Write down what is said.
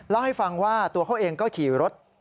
เล่าให้ฟังว่าตัวเขาเองก็ขี่รถ